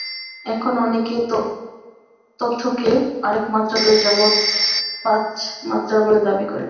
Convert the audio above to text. এখন অনেকে তথ্যকে আরেক মাত্রা ধরে জগৎ পাঁচ মাত্রার বলে দাবি করেন।